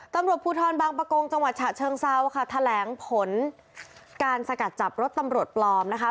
ตำรวจภูทรบางประกงจังหวัดฉะเชิงเซาค่ะแถลงผลการสกัดจับรถตำรวจปลอมนะคะ